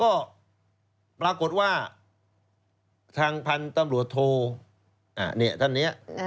ก็ปรากฏว่าทางพันธุ์ตำรวจโทเมื่อนี้ใคร